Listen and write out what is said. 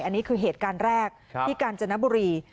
อันนี้คือเหตุการณ์แรกที่กาญจนบุรี